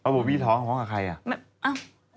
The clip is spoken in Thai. บ่ววี่ท้องของใครอ่ะ